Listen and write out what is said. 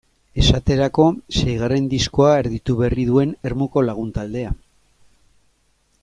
Esaterako, seigarren diskoa erditu berri duen Ermuko lagun taldea.